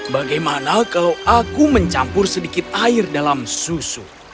bagaimana kalau aku mencampur sedikit air dalam susu